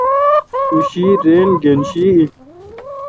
او شی رین گین شی این۔